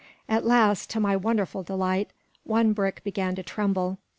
At last, to my wonderful delight, one brick began to tremble.